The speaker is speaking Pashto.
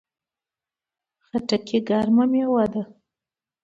خربوزه ګرمه میوه ده